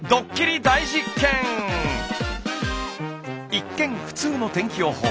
一見普通の天気予報。